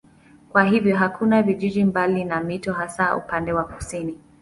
Kwa hiyo hakuna vijiji mbali na mito hasa upande wa kusini.